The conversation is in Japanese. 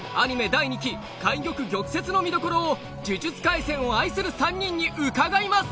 第２期「懐玉・玉折」のみどころを「呪術廻戦」を愛する３人に伺います！